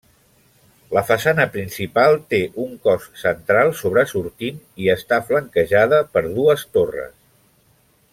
La façana principal té un cos central sobresortint i està flanquejada per dues torres.